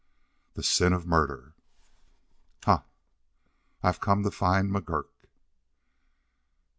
"The sin of murder!" "Ha!" "I have come to find McGurk."